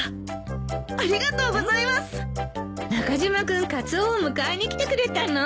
君カツオを迎えに来てくれたの？